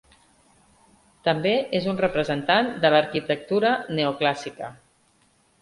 També és un representant de l'arquitectura neoclàssica.